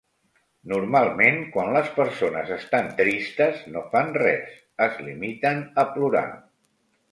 Normalment quan les persones estan tristes no fan res, es limiten a plorar.